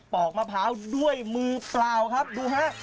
อกมะพร้าวด้วยมือเปล่าครับดูฮะ